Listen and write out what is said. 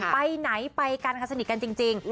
ไปไหนไปกันค่ะสนิทกันจริง